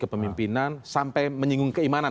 pemimpinan sampai menyinggung keimanan